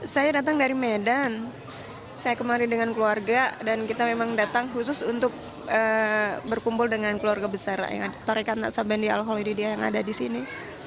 saya datang dari medan saya kemarin dengan keluarga dan kita memang datang khusus untuk berkumpul dengan keluarga besar tarekat nasabah di al kholiriyah yang ada di sini